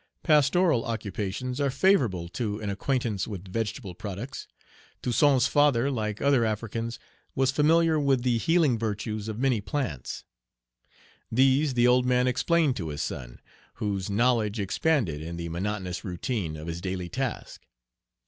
Pastoral occupations are favorable to an acquaintance with vegetable products. Toussaint's father, like other Africans, was familiar with the healing virtues of many plants. These the old man explained to his son, whose knowledge expanded in the monotonous routine of his daily task.